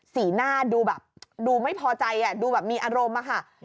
สีหน้าดูแบบดูไม่พอใจดูแบบมีอารมณ์อะค่ะ